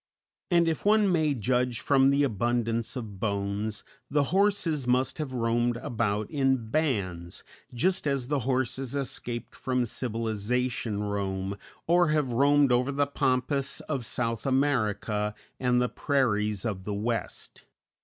And if one may judge from the abundance of bones, the horses must have roamed about in bands, just as the horses escaped from civilization roam, or have roamed, over the pampas of South America and the prairies of the West.